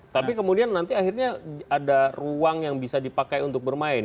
tapi kemudian nanti akhirnya ada ruang yang bisa dipakai untuk bermain